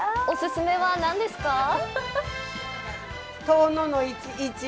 おすすめはなんですか？